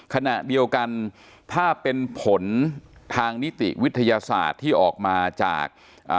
ขณะเดียวกันถ้าเป็นผลทางนิติวิทยาศาสตร์ที่ออกมาจากอ่า